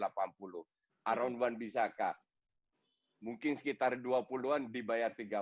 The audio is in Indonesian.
aaron wanbisaka mungkin sekitar dua puluh an dibayar tiga puluh